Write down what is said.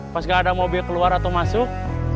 pas gak ada mobil keluar atau masuk